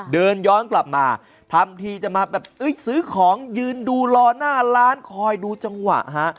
เดินย้อนกลับมาทำทีจะมาแบบซื้อของยืนดูรอหน้าร้านคอยดูจังหวะฮะ